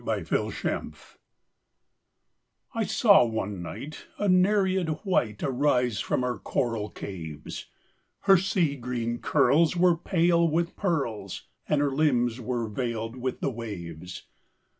THE NEREID I I saw one night a Nereid white Arise from her coral caves: Her sea green curls were pale with pearls, And her limbs were veiled with the waves.